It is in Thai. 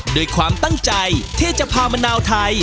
ด้วยความตั้งใจที่จะพามะนาวไทย